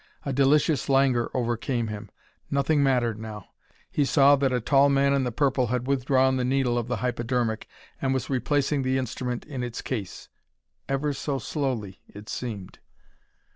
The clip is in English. A delicious languor overcame him. Nothing mattered now. He saw that a tall man in the purple had withdrawn the needle of the hypodermic and was replacing the instrument in its case. Ever so slowly, it seemed.